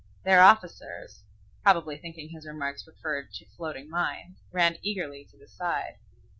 Their officers, probably thinking his remarks referred to floating mines, ran eagerly to the side.